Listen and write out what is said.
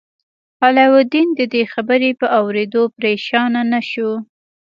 علاوالدین د دې خبر په اوریدو پریشان نه شو.